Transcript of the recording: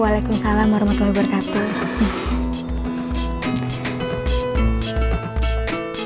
wa'alaikum salam warahmatullah wabarakatuh